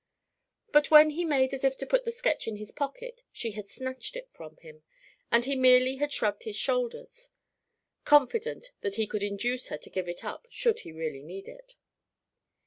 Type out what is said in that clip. But when he made as if to put the sketch in his pocket she had snatched it from him, and he merely had shrugged his shoulders, confident that he could induce her to give it up should he really need it.